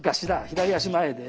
左足前で。